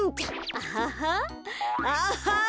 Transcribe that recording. アハハアハハ！